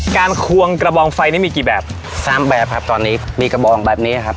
ควงกระบองไฟนี่มีกี่แบบสามแบบครับตอนนี้มีกระบองแบบนี้ครับ